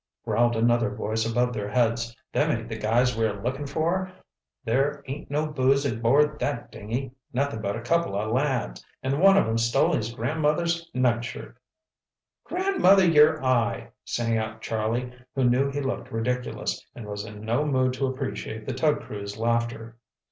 growled another voice above their heads. "Them ain't the guys we're lookin' for. There ain't no booze aboard that dinghy—nothin' but a couple o' lads. An' one of em's stole his grandmother's night shirt." "Grandmother, your eye!" sang out Charlie, who knew he looked ridiculous, and was in no mood to appreciate the tug crew's laughter.